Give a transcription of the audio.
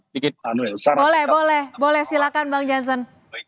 boleh boleh silakan bang jansen